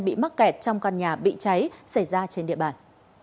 bị mắc kẹt trong căn nhà bị cháy xảy ra trên địa bàn